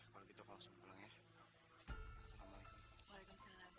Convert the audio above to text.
kalau gitu bapak langsung pulang ya